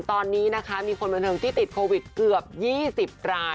ตอนนี้นะคะมีคนบันเทิงที่ติดโควิดเกือบ๒๐ราย